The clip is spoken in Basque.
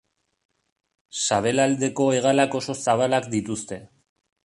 Sabelaldeko hegalak oso zabalak dituzte.